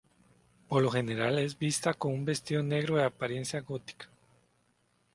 Por lo general es vista con un vestido negro de apariencia gótica.